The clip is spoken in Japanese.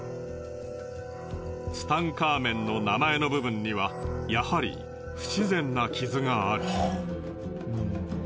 ツタンカーメンの名前の部分にはやはり不自然な傷がある。